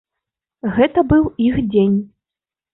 Гэта быў іх дзень!